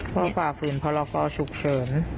เพราะฝากหลุมเพราะเราก็ฉุกเฉิม